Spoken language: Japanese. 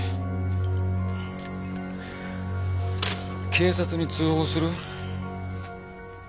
警察に通報する？